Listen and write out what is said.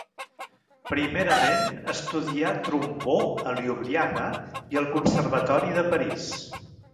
Primerament estudià trombó a Ljubljana i al Conservatori de París.